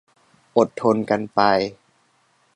อดทนกันไป